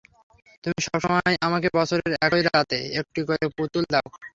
তুমি সবসময় আমাকে বছরের একই রাতে একটি করে পুতুল দাউ।